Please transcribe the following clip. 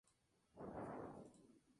El ganador fue el belga Émile Masson Jr..